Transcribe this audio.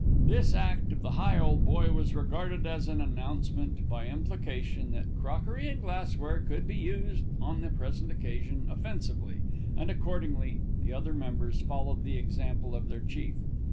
This act of the Higholdboy was regarded as an announcement, by implication, that crockery and glass ware could be used on the present occasion offensively, and accordingly the other members followed the example of their chief.